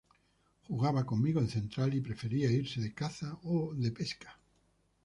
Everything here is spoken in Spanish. Jugaba conmigo en Central y prefería irse de caza o de pesca.